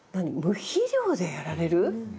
無肥料でやられる？